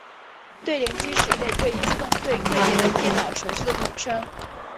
对联机是一类可以自动对对联的电脑程序的统称。